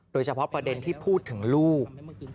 โดยเฉพาะประเด็นที่พูดถึงลูก